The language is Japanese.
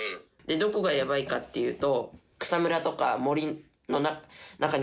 どこがヤバいかっていうと。